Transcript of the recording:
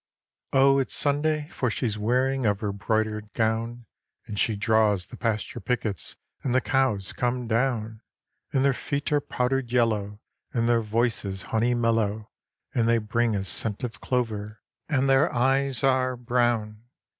Oh it's Sunday, for she's wearing of her broidered gown; And she draws the pasture pickets and the cows come down; And their feet are powdered yellow, and their voices honey mellow, And they bring a scent of clover, and their eyes are brown.